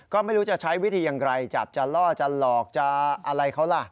ก็ไม่รู้จะใช้วิธีอย่างไรจับจะล่อจะหลอกจะอะไรเขาล่ะ